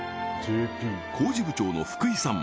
工事部長の福井さん